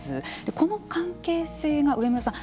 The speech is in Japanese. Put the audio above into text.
この関係性が植村さん